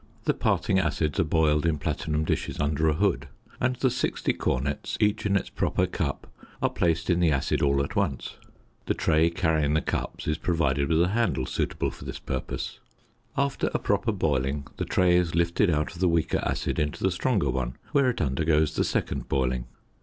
The parting acids are boiled in platinum dishes under a hood; and the 60 cornets (each in its proper cup) are placed in the acid all at once: the tray carrying the cups is provided with a handle suitable for this purpose. After a proper boiling the tray is lifted out of the weaker acid into the stronger one, where it undergoes the second boiling.